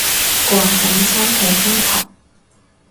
掛緊三號風球